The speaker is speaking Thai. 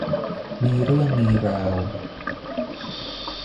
มีเรื่องมีราว